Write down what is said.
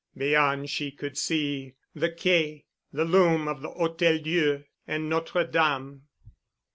Beyond she could see the Quai, the loom of the Hôtel Dieu and Notre Dame.